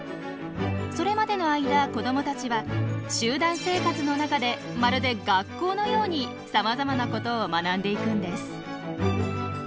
それまでの間子どもたちは集団生活の中でまるで学校のようにさまざまなことを学んでいくんです。